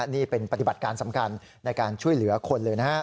นี่เป็นปฏิบัติการสำคัญในการช่วยเหลือคนเลยนะฮะ